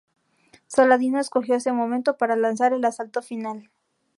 Saladino escogió ese momento para lanzar el asalto final.